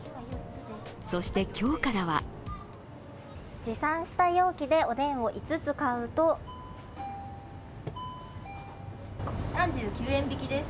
そして、今日からは持参した容器でおでんを５つ買うと３９円引きです。